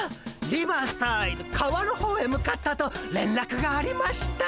リバーサイド川の方へ向かったとれんらくがありました。